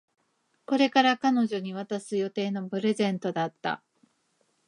これから彼女に渡す予定のプレゼントだった